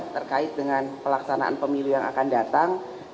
terkait dengan pelaksanaan pemilu yang akan datang